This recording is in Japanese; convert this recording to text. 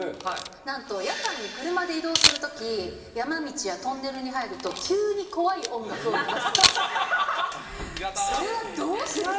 なんと夜間に車で移動するとき、山道やトンネルに入ると、急に怖い音楽を流す。